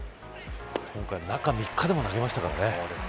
今回、中３日でも投げましたからね。